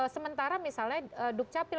sementara misalnya dukcapil